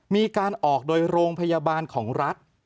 มีการออกโดยโรงพยาบาลของรัฐ